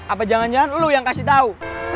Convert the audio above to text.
apa jangan jangan lo yang kasih tahu